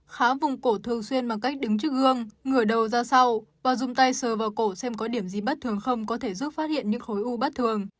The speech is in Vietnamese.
khá vùng cổ thường xuyên bằng cách đứng trước gương ngửa đầu ra sau và dùng tay sờ vào cổ xem có điểm gì bất thường không có thể giúp phát hiện những khối u bất thường